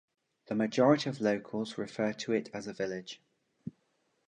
The majority of locals refer to it as a village.